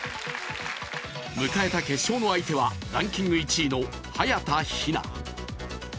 迎えた決勝の相手はランキング１位の早田ひな。